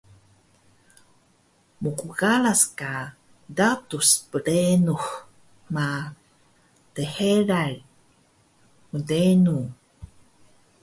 Mqqaras ka tadus brenux ma dxeral mdengu